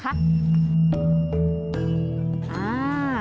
เจอแล้วค่ะนี่คือดอกเข็ม๕กรีบนะคะ